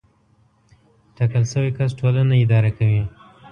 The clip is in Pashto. ټاکل شوی کس ټولنه اداره کوي.